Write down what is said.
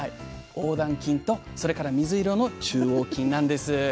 横断筋とそれから水色の中央筋なんです。